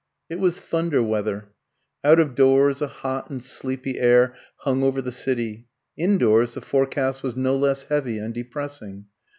It was thunder weather. Out of doors, a hot and sleepy air hung over the city; indoors, the forecast was no less heavy and depressing.